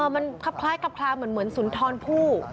อ๋อมันคล้ายเหมือนสุนทรภู่